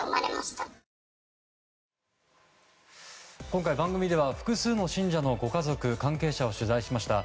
今回、番組では複数の信者のご家族関係者を取材しました。